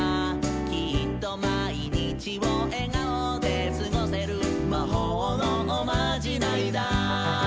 「きっとまいにちをえがおですごせる」「まほうのおまじないだ」